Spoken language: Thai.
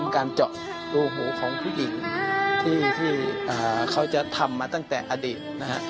การเจาะรูหูของผู้หญิงที่เขาจะทำมาตั้งแต่อดีตนะฮะ